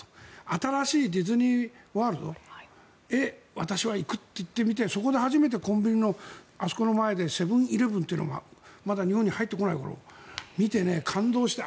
新しいディズニー・ワールドへ私は行くって言ってそこで初めてコンビニのあそこの前でセブン−イレブンというのがまだ日本に入ってない頃に見て感動した。